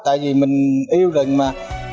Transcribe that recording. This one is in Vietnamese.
tại vì mình yêu đường mà